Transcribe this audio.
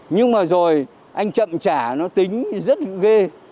nhưng mà rồi anh chậm trả nó tính rất ghê